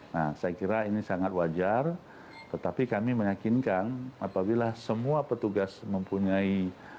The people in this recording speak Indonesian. nah saya kira ini sangat wajar tetapi kami meyakinkan apabila semua petugas mempunyai